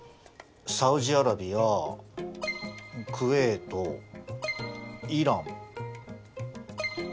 サウジアラビアクウェートイラン。